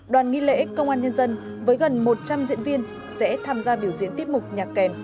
đoàn nghi lễ công an nhân dân với gần một trăm linh diễn viên sẽ tham gia biểu diễn tiết mục nhạc kèn